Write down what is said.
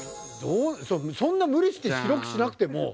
そんな無理して白くしなくても。